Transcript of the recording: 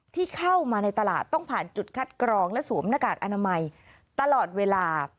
ที่เข้ามาในตลาดต้องผ่านจุดคัดกรองและสวมหน้ากากอนามัยตลอดเวลา